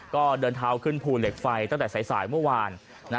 ก็เดินเท้าขึ้นภูเหล็กไฟตั้งแต่สายเมื่อวาน